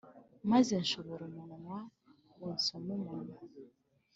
Maze nshora umunwa ngo nsome umwana